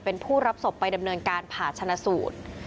เป็นผู้รับศพไปดำเนินการผ่าชนะสูตร